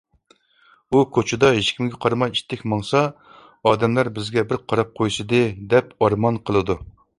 ئۇ كوچىدا ھېچكىمگە قارىماي ئىتتىك ماڭسا، ئادەملەر بىزگە بىر قاراپ قويسىدى! دەپ ئارمان قىلىدۇ.